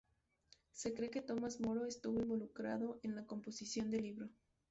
Se cree que Tomás Moro estuvo involucrado en la composición del libro.